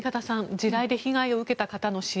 地雷で被害を受けた方の支援